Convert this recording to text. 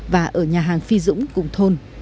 và ở nhà hàng phi dũng cùng thôn